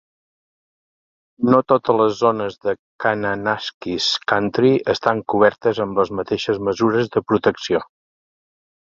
No totes les zones de Kananaskis Country estan cobertes amb les mateixes mesures de protecció.